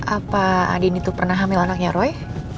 apa adin itu pernah hamil anaknya roy